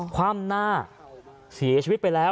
คว่ำหน้าเสียชีวิตไปแล้ว